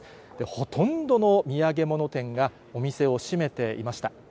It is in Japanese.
ほとんどの土産物店がお店を閉めていました。